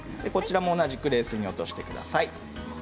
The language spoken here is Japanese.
こちらも同じで水に落としてください。